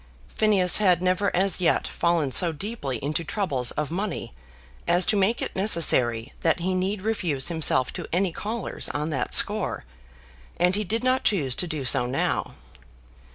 Phineas had never as yet fallen so deeply into troubles of money as to make it necessary that he need refuse himself to any callers on that score, and he did not choose to do so now.